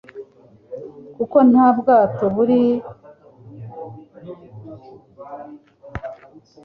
kuko nta bwato bari bahasize bwagombaga kumwambutsa inyanja.